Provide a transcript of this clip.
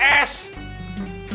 di sini aja bareng